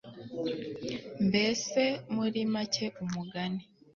mbese muri make umugani